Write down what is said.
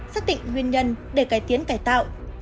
xác định nguyên nhân để cải tiến cải tạo